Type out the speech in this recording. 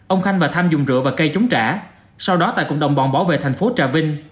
ông khanh và tham dùng rượu và cây chống trả sau đó tài cùng đồng bọn bảo vệ thành phố trà vinh